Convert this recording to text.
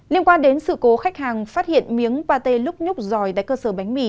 liên quan đến sự cố khách hàng phát hiện miếng pate lúc nhúc giỏi tại cơ sở bánh mì